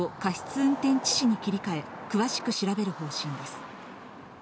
運転致死に切り替え、詳しく調べる方針です。